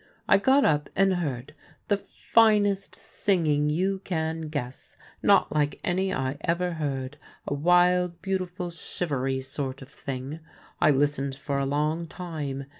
I got up and heard the finest singing you can guess : not Hke any I ever heard; a wild, beautiful, shivery sort of thing. I lis tened for a long time.